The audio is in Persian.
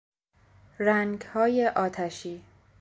رنگهای آتشی